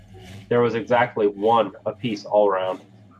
There was exactly one a-piece all round.